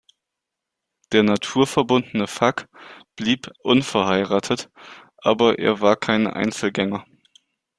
Der naturverbundene Fack blieb unverheiratet, aber er war kein Einzelgänger.